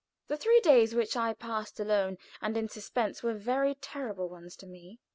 The three days which I passed alone and in suspense were very terrible ones to me.